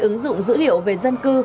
ứng dụng dữ liệu về dân cư